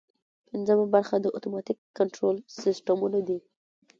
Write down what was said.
پنځمه برخه د اتوماتیک کنټرول سیسټمونه دي.